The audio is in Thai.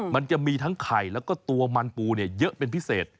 มันจะมีทั้งไข่แล้วก็ตัวมันปูเยอะเป็นพิเศษ